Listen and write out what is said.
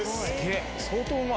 相当うまい。